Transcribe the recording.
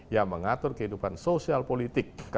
yang mengatur kehidupan sosial politik